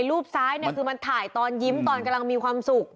รูปซ้ายเนี่ยคือมันถ่ายตอนยิ้มตอนกำลังมีความสุข